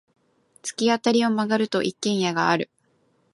突き当たりを曲がると、一軒家がある。